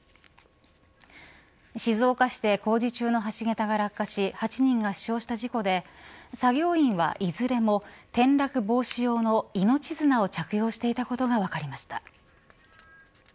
静岡市で工事中の橋桁が落下し８人が死傷した事故で作業員はいずれも転落防止用の命綱を着用していたことが分かりました。